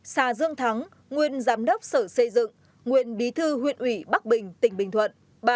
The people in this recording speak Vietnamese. hai xà dương thắng nguyên giám đốc sở xây dựng nguyên bí thư huyện ủy bắc bình tỉnh bình thuận